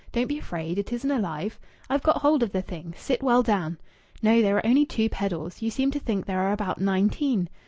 Don't be afraid. It isn't alive. I've got hold of the thing. Sit well down. No! There are only two pedals. You seem to think there are about nineteen.